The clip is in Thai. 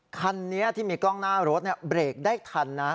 คันนี้ที่มีกล้องหน้ารถเบรกได้ทันนะ